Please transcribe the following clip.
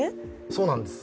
そうなんです。